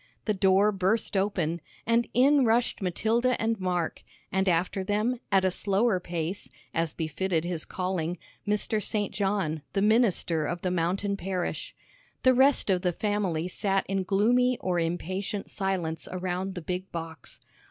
The door burst open, and in rushed Matilda and Mark, and after them, at a slower pace, as befitted his calling, Mr. St. John, the minister of the mountain parish. The rest of the family sat in gloomy or impatient silence around the big box.